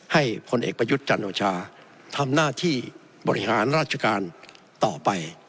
พลเอกประยุทธ์จันโอชาทำหน้าที่บริหารราชการต่อไป